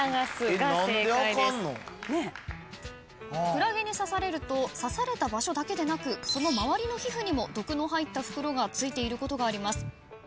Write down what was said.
クラゲに刺されると刺された場所だけでなくその周りの皮膚にも毒の入った袋がついていることがあります。